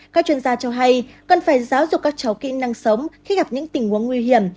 các chuyên gia cho hay cần phải giáo dục các cháu kỹ năng sống khi gặp những tình huống nguy hiểm